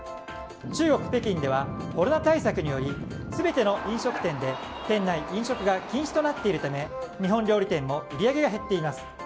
中国・北京ではコロナ対策により全ての飲食店で店内飲食が禁止となっているため日本料理店も売り上げが減っています。